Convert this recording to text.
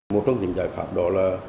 một trong những giải pháp đó là